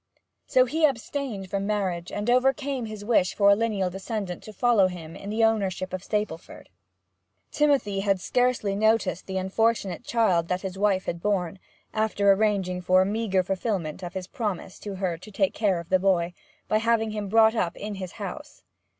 So he abstained from marriage, and overcame his wish for a lineal descendant to follow him in the ownership of Stapleford. Timothy had scarcely noticed the unfortunate child that his wife had borne, after arranging for a meagre fulfilment of his promise to her to take care of the boy, by having him brought up in his house.